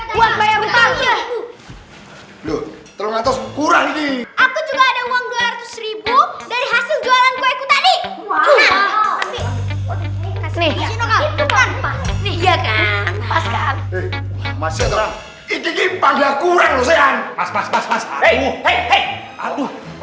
kurang juga ada uang dua ratus dari hasil jualan